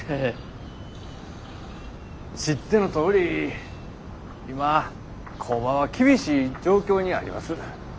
知ってのとおり今工場は厳しい状況にあります。